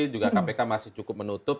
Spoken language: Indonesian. juga kpk masih cukup menutup